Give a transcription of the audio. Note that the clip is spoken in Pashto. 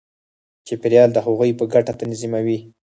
چاپېریال د هغوی په ګټه تنظیموي.